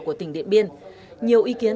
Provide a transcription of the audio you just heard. của tỉnh điện biên nhiều ý kiến